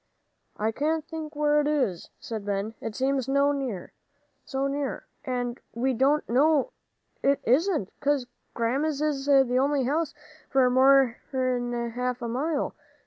"I can't think where it is," said Ben. "It seems so near, and we know it isn't, 'cause Grandma's is the only house for more'n half a mile."